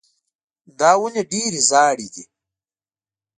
دا ونې ډېرې زاړې دي.